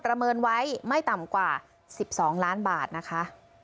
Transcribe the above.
เมินไว้ไม่ต่ำกว่า๑๒ล้านบาทนะคะ